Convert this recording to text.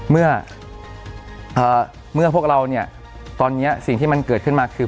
เมื่อพวกเราเนี่ยตอนนี้สิ่งที่มันเกิดขึ้นมาคือ